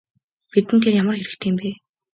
Бидэнд тэр ямар хэрэгтэй юм бэ?